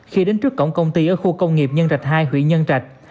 khi đến trước cổng công ty ở khu công nghiệp nhân trạch hai huyện nhân trạch